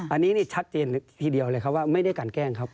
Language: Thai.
อันนี้นี่ชัดเจนทีเดียวฮ่ะว่าไม่ได้การแก้งครับ